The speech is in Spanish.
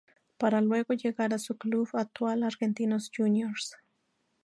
Para luego llegar a su club actual: Argentinos juniors.